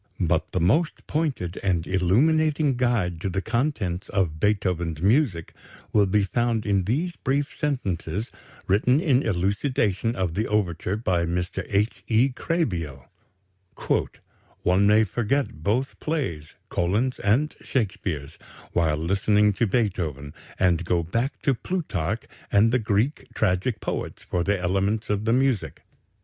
But the most pointed and illuminating guide to the contents of Beethoven's music will be found in these brief sentences written in elucidation of the overture by Mr. H. E. Krehbiel: "One may forget both plays [Collin's and Shakespeare's] while listening to Beethoven, and go back to Plutarch and the Greek tragic poets for the elements of the music.